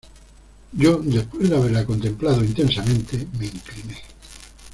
yo, después de haberla contemplado intensamente , me incliné.